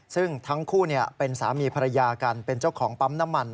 ซึ่งทั้งคู่เป็นสามีภรรยากันเป็นเจ้าของปั๊มน้ำมัน